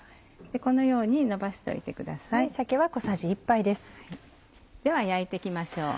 このようにのばしておいてください。では焼いて行きましょう。